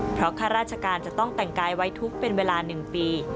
เพราะข้าราชการจะต้องแต่งกายไว้ทุกข์เป็นเวลา๑ปี